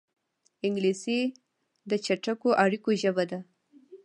انګلیسي د چټکو اړیکو ژبه ده